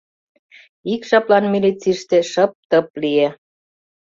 Ик жаплан милицийыште шып-тып лие.